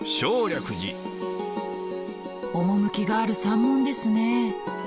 趣がある山門ですね。